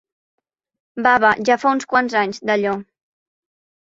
Baba, ja fa uns quants anys, d'allò.